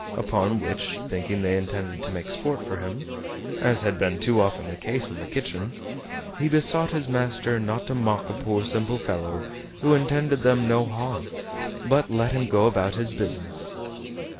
Upon which, thinking they intended to make sport of him, as had been too often the case in the kitchen, he besought his master not to mock a poor simple fellow, who intended them no harm, but let him go about his business.